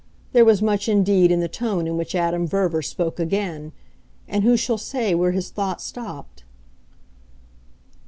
There was much indeed in the tone in which Adam Verver spoke again, and who shall say where his thought stopped?